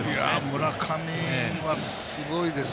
村上はすごいです。